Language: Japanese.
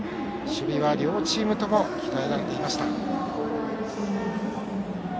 守備は両チームとも鍛えられていました。